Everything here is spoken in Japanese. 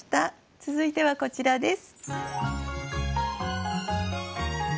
続いてはこちらです。